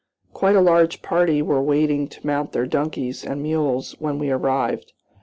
Quite a large party were waiting to mount their donkeys and mules when we arrived.